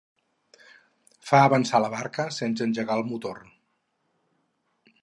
Fa avançar la barca sense engegar el motor.